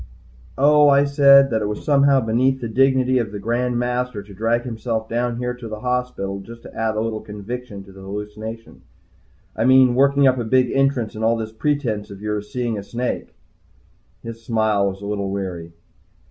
"Oh," I said. "That it was somehow beneath the dignity of the Grand Master to drag himself down here to the hospital just to add a little conviction to the hallucination. I mean, working up a big entrance, and all this pretense of your seeing a snake." His smile was a little weary.